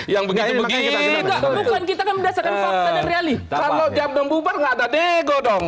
yang begitu begitu kita akan berdasarkan fakta dan reali kalau jam sepuluh bubar nggak ada dego dong